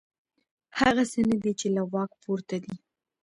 هغه څه نه دي چې له واک پورته دي.